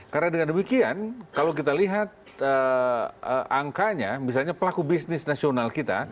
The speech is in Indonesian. karena dengan demikian kalau kita lihat angkanya misalnya pelaku bisnis nasional kita